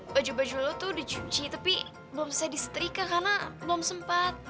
baju baju lo tuh dicuci tapi belum bisa disetrika karena belum sempat